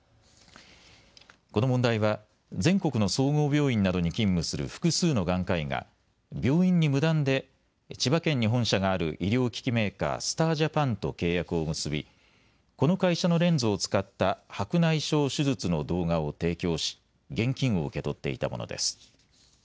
この問題は全国の総合病院などに勤務する複数の眼科医が病院に無断で千葉県に本社がある医療機器メーカー、スター・ジャパンと契約を結びこの会社のレンズを使った白内障手術の動画を提供し現金を受け取っていたものです。